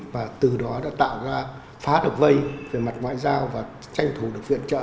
và từ đó đã tạo ra phá độc vây về mặt ngoại giao và tranh thủ được viện trợ